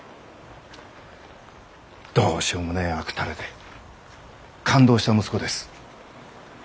どうしようもねえ悪たれで勘当した息子です。